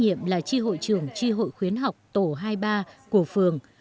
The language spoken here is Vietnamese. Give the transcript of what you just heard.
hội trưởng tri hội khuyến học tổ hai mươi ba của phường